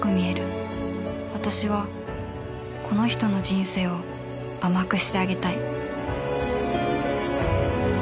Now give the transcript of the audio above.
私はこの人の人生を甘くしてあげたい